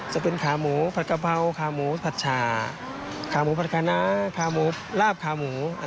จะเป็นขาหมูผัดกะเพราขาหมูผัดชาขาหมูผัดคณะขาหมูลาบขาหมู